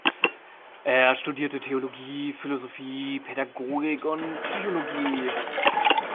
Er studierte Theologie, Philosophie, Pädagogik und Psychologie.